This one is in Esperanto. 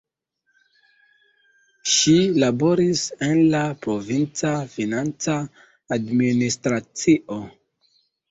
Ŝi laboris en la provinca financa administracio.